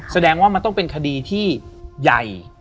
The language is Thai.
แสดงว่ามันต้องเป็นคดีที่ใหญ่